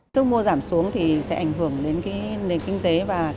sức mua giảm xuống thì sẽ ảnh hưởng đến kinh tế